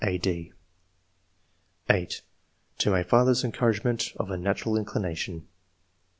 " (a, d) (8) "To my father's encouragement of a natural inclination."